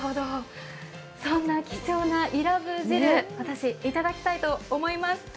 そんな貴重なイラブー汁、私いただきたいと思います。